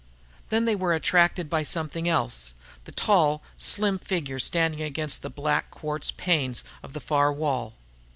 Then they were attracted by something else the tall, slim figure standing against the black quartz panes of the far wall.